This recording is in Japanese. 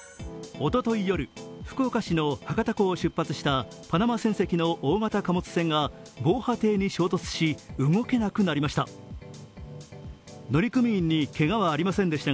おととい夜、福岡市の博多港を出発したパナマ船籍が防波堤に衝突し、動けなくなりました。